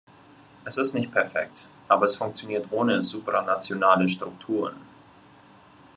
Es ist nicht perfekt, aber es funktioniert ohne supranationale Strukturen.